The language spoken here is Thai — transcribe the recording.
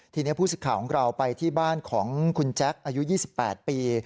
ทีนี้ผู้สิทธิ์ข่าวของเราไปที่บ้านของคุณแจ๊คอายุ๒๘ปี